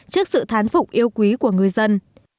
trước sự thán phục yêu quý của ngư dân